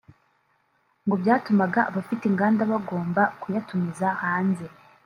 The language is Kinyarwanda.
ngo byatumaga abafite inganda bagomba kuyatumiza hanze